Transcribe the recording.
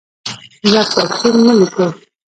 دوه کتابچې مه لیکئ.